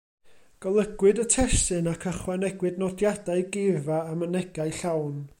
Golygwyd y testun ac ychwanegwyd nodiadau, geirfa a mynegai llawn.